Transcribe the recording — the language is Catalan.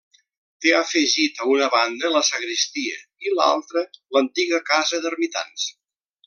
Té afegit a una banda la sagristia i l'altra l'antiga casa d'ermitans.